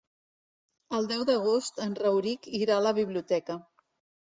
El deu d'agost en Rauric irà a la biblioteca.